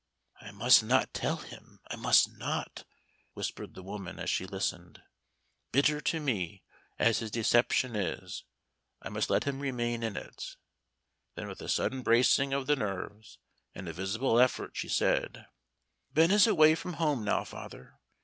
"I must not tell him; I must not," whispered the woman as she listened. "Bitter to me as his deception is, I must let him remain in it." Then with a sudden bracing of the nerves, and a visible effort, she said: "Ben is away from home now, father.